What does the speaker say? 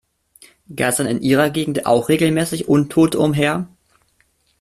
Geistern in Ihrer Gegend auch regelmäßig Untote umher?